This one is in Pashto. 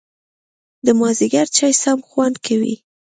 د مازیګر چای سم خوند کوي